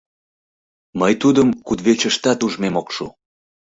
— Мый Тудым кудывечыштат ужмем ок шу!